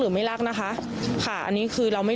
ลูกสาวหลายครั้งแล้วว่าไม่ได้คุยกับแจ๊บเลยลองฟังนะคะ